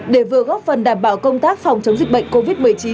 để vừa góp phần đảm bảo công tác phòng chống dịch bệnh covid một mươi chín